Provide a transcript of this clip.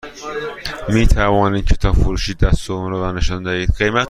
می توانید کتاب فروشی دست دوم رو به من نشان دهید؟